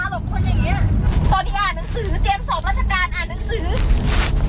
ลูกเรียนจบสูงมาได้เพราะปัญญาของลูกไง